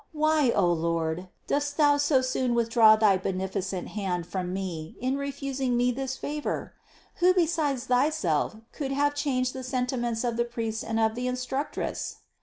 Why, O Lord, dost Thou so soon withdraw thy beneficent hand from me in refusing me this favor? Who besides thyself could have changed the sentiments of the priests and of the instructress?